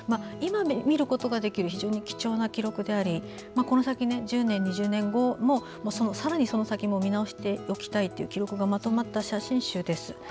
今見ることができる非常に貴重な記録でありこの先１０年、２０年後もさらにその先も見直していきたいという記録がまとまった写真集です。